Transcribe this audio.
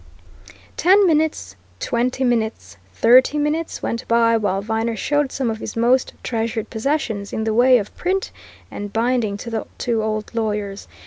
Ten minutes, twenty minutes, thirty minutes, went by, while Viner showed some of his most treasured possessions in the way of print and binding to the two old lawyers.